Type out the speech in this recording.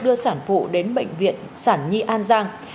đưa sản phụ đến bệnh viện sản nhi an giang